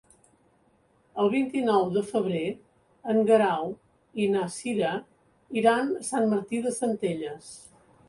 El vint-i-nou de febrer en Guerau i na Cira iran a Sant Martí de Centelles.